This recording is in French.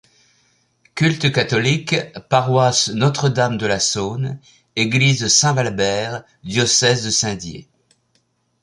Culte catholique, Paroisse Notre-Dame-de-la-Saône, Église Saint-Valbert, Diocèse de Saint-Dié.